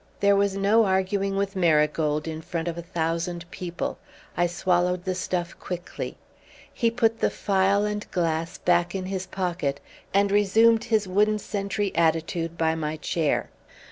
There was no arguing with Marigold in front of a thousand people. I swallowed the stuff quickly. He put the phial and glass back in his pocket and resumed his wooden sentry attitude by my chair.